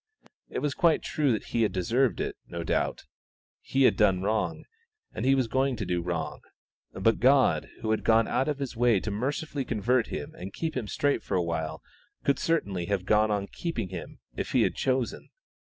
It was quite true that he had deserved it, no doubt; he had done wrong, and he was going to do wrong; but God, who had gone out of His way to mercifully convert him and keep him straight for a while, could certainly have gone on keeping him if He had chosen.